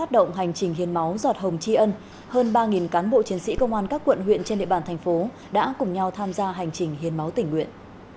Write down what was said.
trong lúc hiên máu giọt hồng chi ân hơn ba cán bộ chiến sĩ công an các quận huyện trên địa bàn thành phố đã cùng nhau tham gia hành trình hiên máu tỉnh nguyện